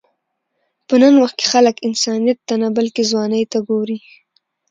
په نن وخت کې خلک انسانیت ته نه، بلکې ځوانۍ ته ګوري.